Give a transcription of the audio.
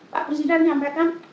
pak presiden menyampaikan